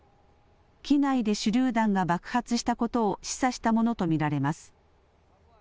機内で手りゅう弾が爆発したことを示唆したものと見られます。